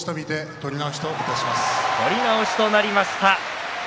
取り直しとなりました。